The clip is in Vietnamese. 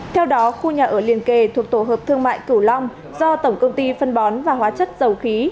theo đó khu nhà ở liên kề thuộc tổ hợp thương mại cửu long do tổng công ty phân bón và hóa chất dầu khí